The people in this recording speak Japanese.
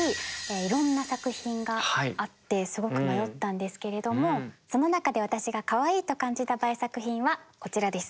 いろんな作品があってすごく迷ったんですけれどもその中で私が「かわいい」と感じたＢＡＥ作品はこちらです。